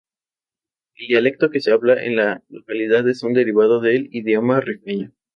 El dialecto que se habla en la localidad es un derivado del Idioma rifeño.